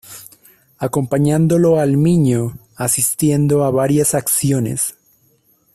Acompañándolo al Miño, asistiendo a varias acciones.